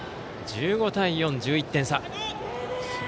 １５対４、１１点差。